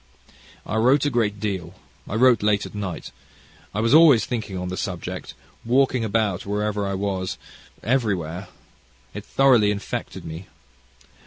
"I wrote a great deal; I wrote late at night. I was always thinking on the subject, walking about, wherever I was, everywhere. It thoroughly infected me.